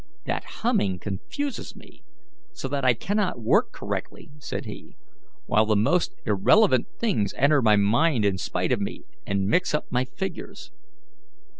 "That humming confuses me so that I cannot work correctly," said he, "while the most irrelevant things enter my mind in spite of me, and mix up my figures."